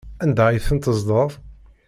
Anda ay tent-teddzeḍ?